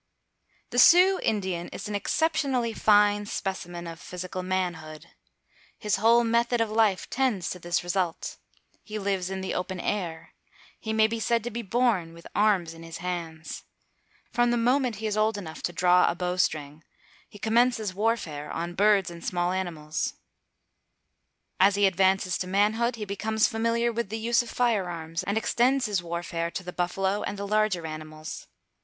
The Sioux Indian is an exceptionally fine specimen of physical manhood. His whole method of life tends to this result. He lives in the open air. He may be said to be born with arms in his hands. From the moment he is old enough to draw a bowstring, he commences warfare on birds and small animals. As he advances to manhood, he becomes familiar with the use of firearms, and extends his warfare to the buffalo and the larger animals.